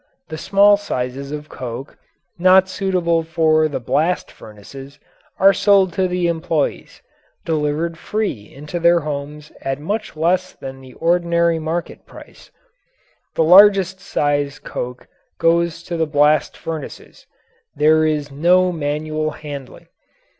The small sizes of coke, not suitable for the blast furnaces, are sold to the employees delivered free into their homes at much less than the ordinary market price. The large sized coke goes to the blast furnaces. There is no manual handling.